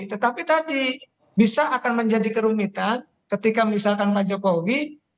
tetapi tadi bisa akan menjadi kerumitan ketika misalkan pak jokowi